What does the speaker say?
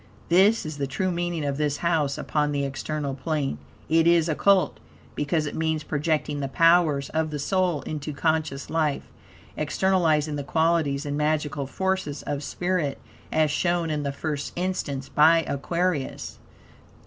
This is the true meaning of this house upon the external plane. it is Occult, because it means projecting the powers of the soul into conscious life, externalizing the qualities and magical forces of spirit, as shown in the first instance by Aquarius.